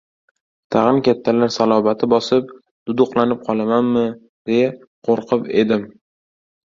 Tag‘in kattalar salobati bosib, duduqlanib qolamanmi, deya qo‘rqib edim.